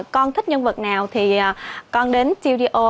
con thích nhân vật nào thì con đến studio